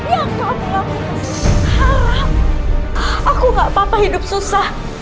yang kamu lakukan harap aku gak papa hidup susah